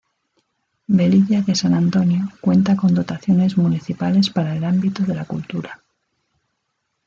Velilla de San Antonio cuenta con dotaciones municipales para el ámbito de la cultura.